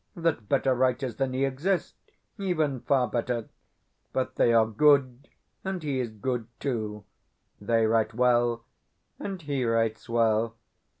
that better writers than he exist even far better; but they are good, and he is good too they write well, and he writes well.